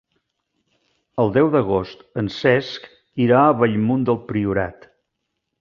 El deu d'agost en Cesc irà a Bellmunt del Priorat.